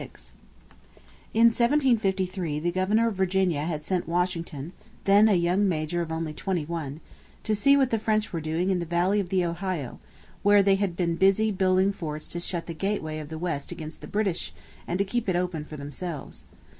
CHAPTER III OSWEGO 1756 In 1753 the governor of Virginia had sent Washington, then a young major of only twenty one, to see what the French were doing in the valley of the Ohio, where they had been busy building forts to shut the gateway of the West against the British and to keep it open for themselves.